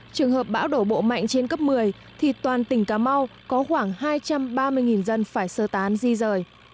trường hợp bão đổ bộ mạnh trên cấp một mươi thì toàn tỉnh cà mau có khoảng hai trăm ba mươi dân phải sơ tán di rời